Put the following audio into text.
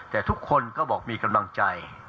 แต่ทุกคนก็บอกมีกำลังใจ